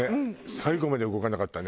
最後まで動かなかったね